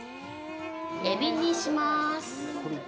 エビにします。